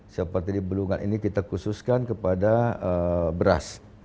seperti di belungan ini kita khususkan kepada beras